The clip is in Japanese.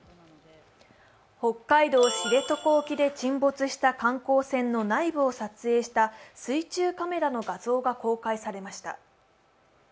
北海道知床沖で沈没した観光船の内部を撮影した水中カメラの画像が公開されました。